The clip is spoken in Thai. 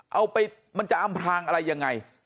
เอาไปมันจะอำพลางอะไรยังไง